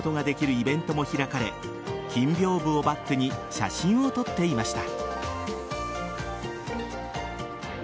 イベントも開かれ金屏風をバックに写真を撮っていました。